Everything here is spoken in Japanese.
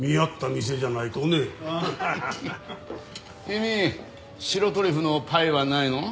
君白トリュフのパイはないの？